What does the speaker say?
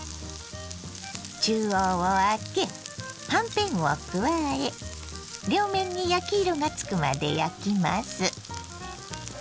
中央をあけはんぺんを加え両面に焼き色がつくまで焼きます。